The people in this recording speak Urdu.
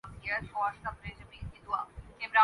بوندا باندی ہو یا بارش کا طوفان، دونوں کیفیت بدل دیتے ہیں۔